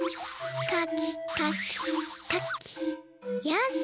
かきかきかきよし。